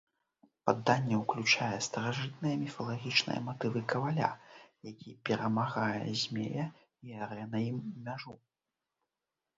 Паданне ўключае старажытныя міфалагічныя матывы каваля, які перамагае змея і арэ на ім мяжу.